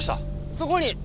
そこに。